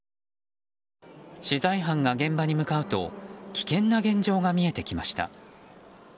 取材班が現場に向かうと危険な現状が見えてきました。